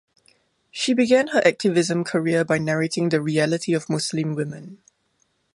She began her activism career by narrating the reality of Muslim women.